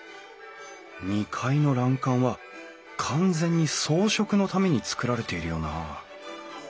２階の欄干は完全に装飾のために造られているよな